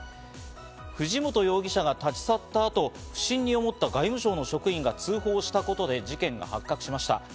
藤本容疑者が立ち去ったあと、不審に思った外務省の職員が通報したことで事件が発覚しました。